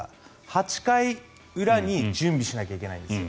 ８回裏に準備しなきゃいけないんですよ。